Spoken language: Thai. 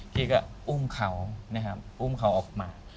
กี้ก็อุ้มเขาอุ้มเขาออกมา